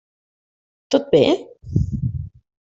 Tot bé?